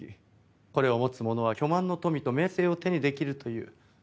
これを持つ者は巨万の富と名声を手にできるという権力の象徴。